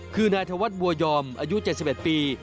คือนายธวัฒน์บัวยอมอายุ๗๑ปี